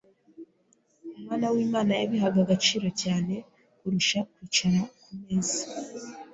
Umwana w’Imana yabihaga agaciro cyane kurusha kwicara ku meza